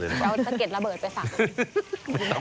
เอาสะเก็ดระเบิดไปสั่ง